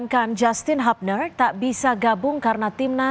saya tidak bisa melakukan apa yang saya bisa